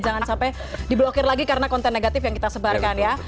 jangan sampai diblokir lagi karena konten negatif yang kita sebarkan ya